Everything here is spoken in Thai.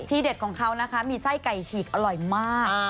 เด็ดของเขานะคะมีไส้ไก่ฉีกอร่อยมาก